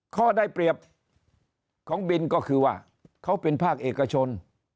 ข้อได้เปรียบของบินก็คือว่าเขาเป็นภาคเอกชน